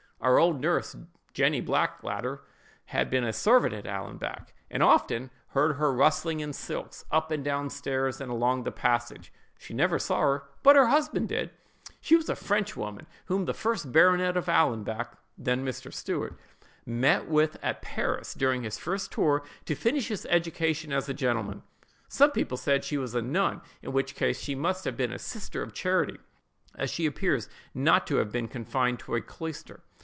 Our old nurse, Jenny Blackadder, had been a servant at Allanbank, and often heard her rustling in silks up and down stairs, and along the passage. She never saw her—but her husband did. "She was a French woman, whom the first baronet of Allanbank (then Mr. Stuart) met with at Paris, during his tour to finish his education as a gentleman. Some people said she was a nun, in which case she must have been a sister of charity, as she appears not to have been confined to a cloister.